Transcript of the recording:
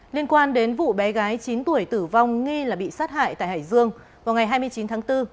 liên quan đến vụ bé gái chín tuổi tử vong nghi là bị sát hại tại hải dương vào ngày hai mươi chín tháng bốn